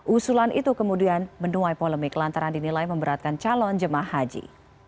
usulan itu kemudian menuai polemik lantaran dinilai memberatkan calon jemaah haji